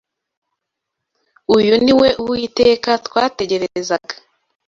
Uyu ni we Uwiteka twategerezaga